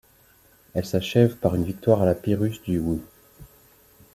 Elle s’achève par une victoire à la Pyrrhus du Wu.